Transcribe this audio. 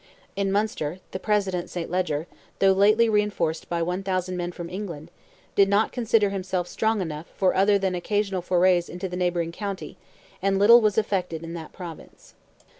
In Munster the President St. Leger, though lately reinforced by 1,000 men from England, did not consider himself strong enough for other than occasional forays into the neighbouring county, and little was effected in that Province.